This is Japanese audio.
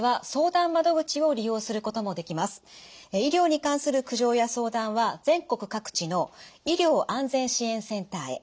医療に関する苦情や相談は全国各地の医療安全支援センターへ。